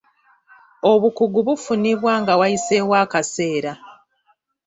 Obukugu bufunibwa nga wayiseewo akaseera.